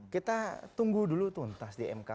kita tunggu dulu tuntas di mk